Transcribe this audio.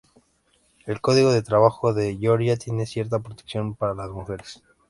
El Código de Trabajo de Georgia tiene cierta protección para las mujeres.